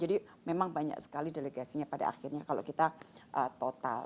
jadi memang banyak sekali delegasinya pada akhirnya kalau kita total